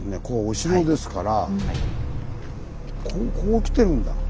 ここお城ですからこうきてるんだ